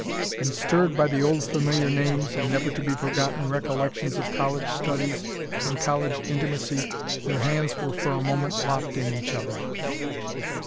and, stirred by the old familiar names, and never to be forgotten recollections of college studies and college intimacy, their hands were for a moment locked in each other.